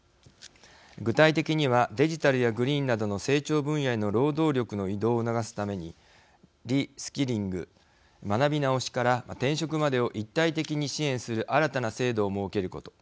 具体的にはデジタルやグリーンなどの成長分野への労働力の移動を促すためにリスキリング＝学び直しから転職までを一体的に支援する新たな制度を設けること。